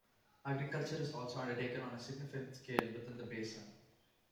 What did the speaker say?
Agriculture is also undertaken on a significant scale within the basin.